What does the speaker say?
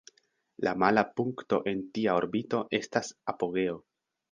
La mala punkto en tia orbito estas "apogeo".